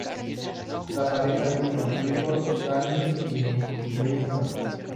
La pareja vive con su hijo, Stanley, en Brighton.